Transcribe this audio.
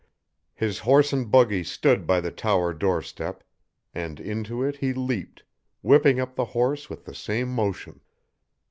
His horse and buggy stood by the tower doorstep, and into it he leaped, whipping up the horse with the same motion.